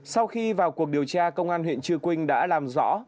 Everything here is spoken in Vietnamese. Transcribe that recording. sau khi vào cuộc điều tra công an huyện chư quynh đã làm rõ